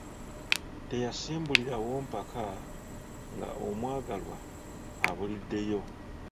Teyasimbulirawo mpaka nga omwagalwa abuliddeyo.